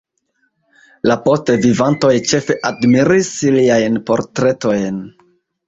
La poste vivantoj ĉefe admiris liajn portretojn.